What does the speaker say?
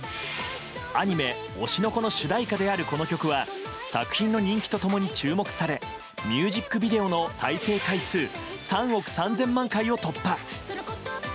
アニメ「推しの子」の主題歌である、この曲は作品の人気と共に注目されミュージックビデオの再生回数３億３０００万回を突破。